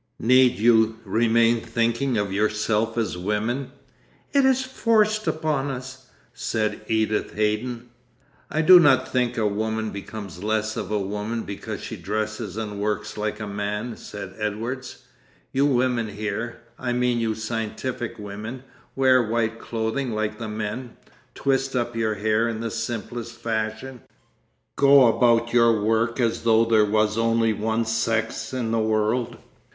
'Need you remain thinking of yourselves as women?' 'It is forced upon us,' said Edith Haydon. 'I do not think a woman becomes less of a woman because she dresses and works like a man,' said Edwards. 'You women here, I mean you scientific women, wear white clothing like the men, twist up your hair in the simplest fashion, go about your work as though there was only one sex in the world.